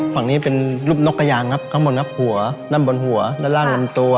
ฝั่งนี้เป็นรูปนกกระยางครับข้างบนนับหัวนั่งบนหัวและร่างลำตัว